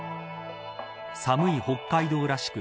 寒い北海道らしく